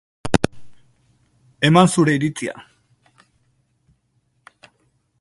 Eman zure iritzia.